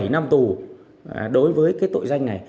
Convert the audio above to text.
bảy năm tù đối với cái tội danh này